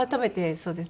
そうですね。